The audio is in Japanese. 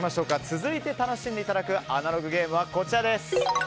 続いて楽しんでいただくアナログゲームはこちら。